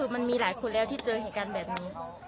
มันมีหลายคนแล้วที่เจอเหตุการณ์แบบนี้